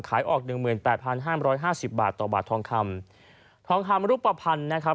ออกหนึ่งหมื่นแปดพันห้ามร้อยห้าสิบบาทต่อบาททองคำทองคำรูปภัณฑ์นะครับ